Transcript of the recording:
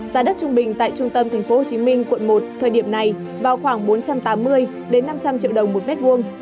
giá đất trung bình tại trung tâm tp hcm quận một thời điểm này vào khoảng bốn trăm tám mươi năm trăm linh triệu đồng một mét vuông